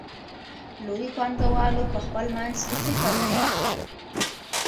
لویو پانګوالو په خپل منځ کې فکر وکړ